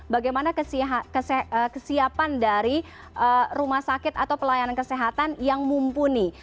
bagaimana kesiapan dari rumah sakit atau pelayanan kesehatan yang mumpuni